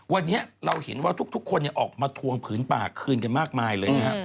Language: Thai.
วันนี้เราเห็นว่าทุกคนออกมาทวงผืนป่าคืนกันมากมายเลยนะครับ